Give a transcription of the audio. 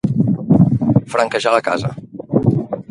Franquejar la casa.